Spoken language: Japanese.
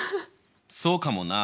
そうかもな。